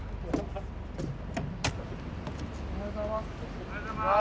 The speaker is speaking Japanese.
おはようございます。